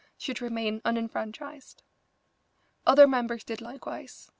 should remain unenfranchised. Other members did likewise.